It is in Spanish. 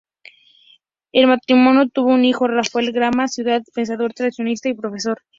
El matrimonio tuvo un hijo, Rafael Gambra Ciudad, pensador tradicionalista y profesor.